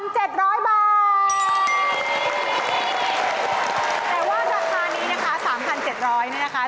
แต่ว่าราคานี้นะคะ๓๗๐๐เนี่ยนะคะ